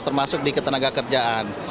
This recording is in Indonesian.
termasuk di ketenaga kerjaan